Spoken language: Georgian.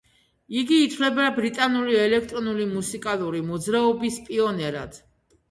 იგი ითვლება ბრიტანული ელექტრონული მუსიკალური მოძრაობის პიონერად.